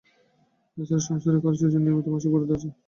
এ ছাড়া সংসার-খরচের জন্য নিয়মিত তাঁর মাসিক বরাদ্দ আছে।